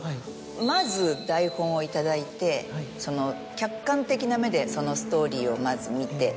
まず台本を頂いて客観的な目でそのストーリーをまず見て。